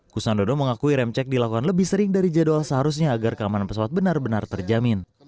kusando mengakui rem cek dilakukan lebih sering dari jadwal seharusnya agar keamanan pesawat benar benar terjamin